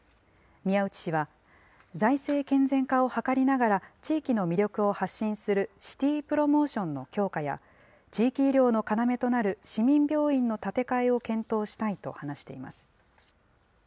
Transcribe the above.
宮内氏は、財政健全化を図りながら、地域の魅力を発信するシティプロモーションの強化や、地域医療の要となる市民病院の建て替えを検討したいと話しています。